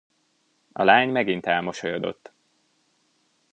A lány megint elmosolyodott.